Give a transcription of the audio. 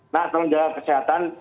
nah tolong jaga kesehatan